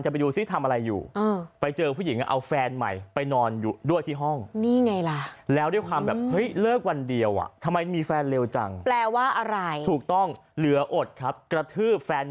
จะไปอยู่สิทำอะไรอยู่